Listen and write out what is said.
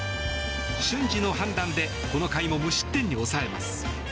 瞬時の判断でこの回も無失点に抑えます。